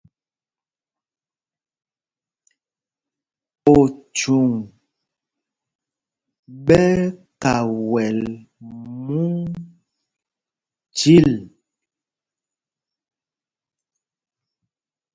Ochuŋ ɓɛ́ ɛ́ kawɛl múŋ chǐl.